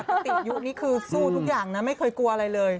ปกติยุคนี้คือสู้ทุกอย่างนะไม่เคยกลัวอะไรเลย